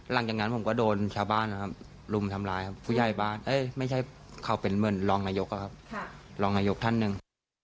หลังจากนั้นผมก็โดนชาวบ้านนะครับลุมทำร้ายครับผู้ใหญ่บ้านไม่ใช่เขาเป็นเหมือนรองนายกอะครับรองนายกท่านหนึ่ง